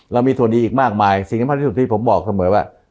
เรามีส่วนดีอีกมากมายสิ่งที่ผมบอกเสมอว่า